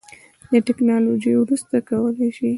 دا ټیکنالوژي وروسته کولی شي